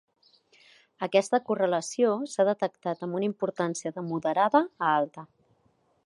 Aquesta correlació s'ha detectat amb una importància de moderada a alta.